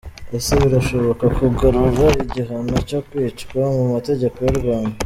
Ese birashoboka kugarura igihano cyo kwicwa mu mategeko y’u rwanda?.